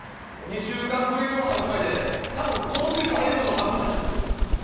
２週間ぶりの白米で多分、今年最後の白米なんですよ。